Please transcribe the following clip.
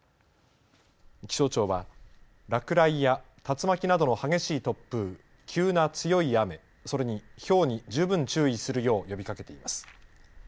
気象庁は落雷や竜巻などの激しい突風、急な強い雨、それにひょうに十分注意するよう呼びかけています。